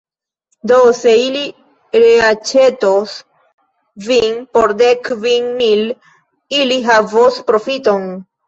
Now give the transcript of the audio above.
Do, se ili reaĉetos vin por dek kvin mil, ili havos profiton.